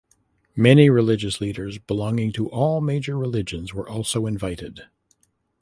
Many religious leaders belonging to all major religions were also invited.